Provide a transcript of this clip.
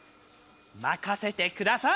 任せてください！